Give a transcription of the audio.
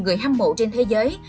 người hâm mộ trên thế giới